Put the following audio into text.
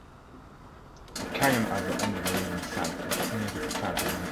The canyon has the only remaining site of native Caddo maple trees.